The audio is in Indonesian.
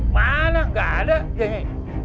mana gak ada jangan ya